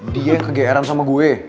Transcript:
dia yang kegeeran sama gue